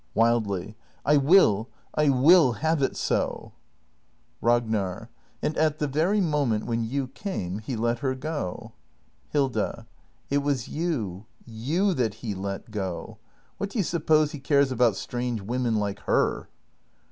[Wildly.] I will — I will have it so ! Ragnar. And at the very moment when you came — he let her go. Hilda. It was you — you that he let go! What do you suppose he cares about strange women like her?